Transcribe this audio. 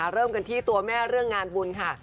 เริ่มกันที่ตัวแม่เรื่องงานบุญค่ะ